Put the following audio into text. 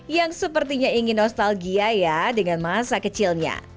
yang sepertinya ingin nostalgia ya dengan masa kecilnya